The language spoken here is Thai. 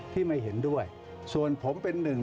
ไม่เห็นด้วยส่วนผมเป็นหนึ่ง